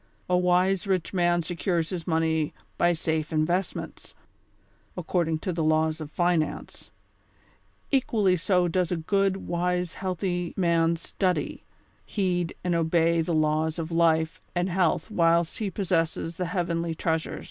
A wise rich man secures his money by safe investments, according to the laws of finance ; equally so does a good, wise healthy man studv heed and obey the laws of life and health whilst he possesses the heavenly treasure.